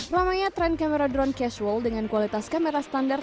lamanya tren kamera drone casual dengan kualitas kamera standar